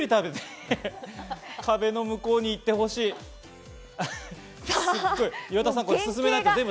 壁の向こうに行ってほしい。